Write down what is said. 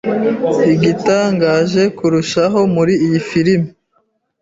Igitangaje kurushaho muri iyi filime